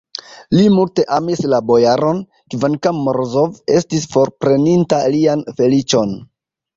Li multe amis la bojaron, kvankam Morozov estis forpreninta lian feliĉon.